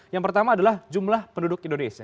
yang pertama adalah jumlah penduduk indonesia